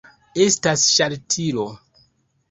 Estas ŝaltilo.